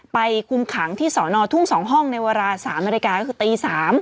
คุมขังที่สอนอทุ่ง๒ห้องในเวลา๓นาฬิกาก็คือตี๓